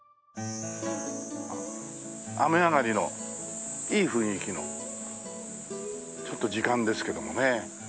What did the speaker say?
雨上がりのいい雰囲気のちょっと時間ですけどもね。